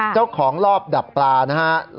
เจ้าของรอบดักปลานะฮะ